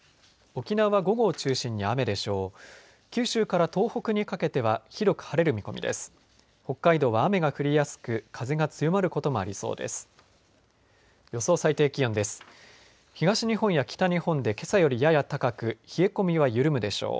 沖縄は午後を中心に雨でしょう。